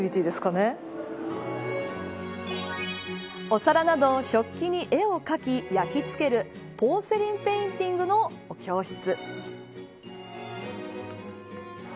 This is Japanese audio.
お皿など食器に絵を描き焼き付けるポーセリン・ペインティングの教室。